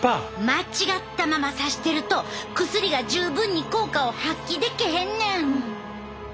間違ったままさしてると薬が十分に効果を発揮できへんねん！